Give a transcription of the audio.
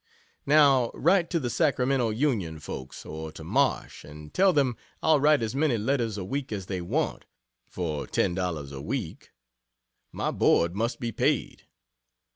Now write to the Sacramento Union folks, or to Marsh, and tell them I'll write as many letters a week as they want, for $10 a week my board must be paid.